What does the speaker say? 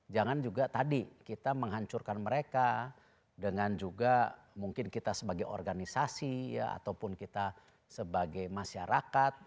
jangan juga tadi kita menghancurkan mereka dengan juga mungkin kita sebagai organisasi ya ataupun kita sebagai masyarakat